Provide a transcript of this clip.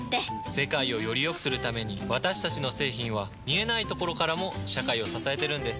世界をよりよくするために私たちの製品は見えないところからも社会を支えてるんです。